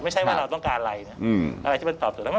ไม่ใช่ว่าเราต้องการอะไรนะอะไรที่มันตอบสนแล้วมัน